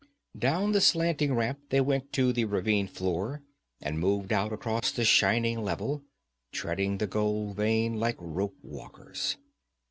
Down the slanting ramp they went to the ravine floor and moved out across the shining level, treading the gold vein like rope walkers.